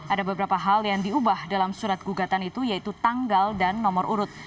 ada beberapa hal yang diubah dalam surat gugatan itu yaitu tanggal dan nomor urut